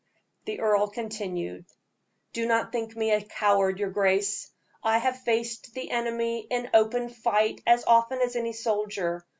The earl continued: "Do not think me a coward, your grace; I have faced the enemy in open fight as often as any soldier.